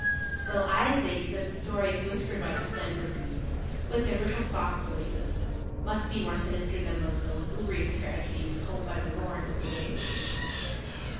Well, I think that the stories whispered by the slender reeds, with their little soft voices, must be more sinister than the lugubrious tragedies told by the roaring of the waves.